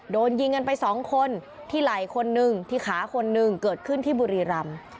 โดนยิงกันไปสองคนที่ไหล่คนนึงที่ขาคนหนึ่งเกิดขึ้นที่บุรีรำ